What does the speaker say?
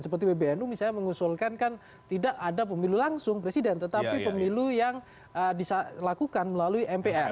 seperti pbnu misalnya mengusulkan kan tidak ada pemilu langsung presiden tetapi pemilu yang dilakukan melalui mpr